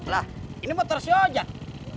lah ini motor si ojan